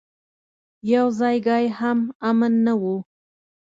يو ځايګى هم امن نه و.